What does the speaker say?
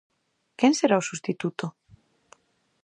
Quen será o substituto?